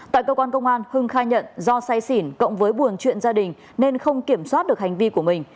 tại cơ quan công an hưng khai nhận do say xỉn cộng với buồn chuyện gia đình nên không kiểm soát được hành vi của mình